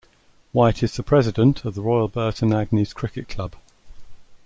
White is the President of the Royal Burton Agnes Cricket Club.